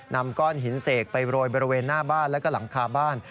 นำก้อนหินเสกไปโรยบริเวณหน้าบ้านแล้วก็หลังคาบ้าน